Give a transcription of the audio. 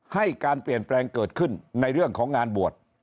ให้การเปลี่ยนแปลงเกิดขึ้นในเรื่องของงานบวช